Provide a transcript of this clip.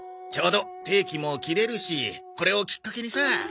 ちょうど定期も切れるしこれをきっかけにさ。